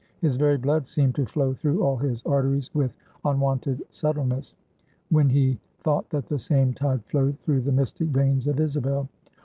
His very blood seemed to flow through all his arteries with unwonted subtileness, when he thought that the same tide flowed through the mystic veins of Isabel.